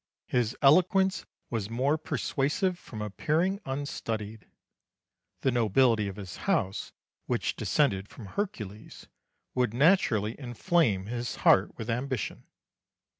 His eloquence was more persuasive from appearing unstudied. The nobility of his house, which descended from Hercules, would naturally inflame his heart with ambition.